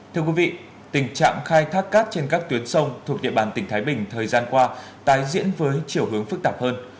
thưa quý vị tình trạng khai thác cát trên các tuyến sông thuộc địa bàn tỉnh thái bình thời gian qua tái diễn với chiều hướng phức tạp hơn